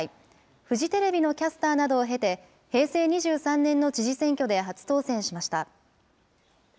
フジテレビのキャスターなどを経て、平成２３年の知事選挙で初当選しました。